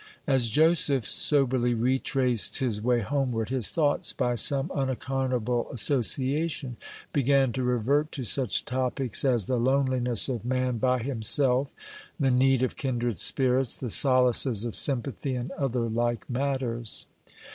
As Joseph soberly retraced his way homeward, his thoughts, by some unaccountable association, began to revert to such topics as the loneliness of man by himself, the need of kindred spirits, the solaces of sympathy, and other like matters.